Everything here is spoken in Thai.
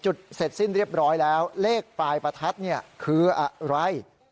เสร็จสิ้นเรียบร้อยแล้วเลขปลายประทัดเนี่ยคืออะไร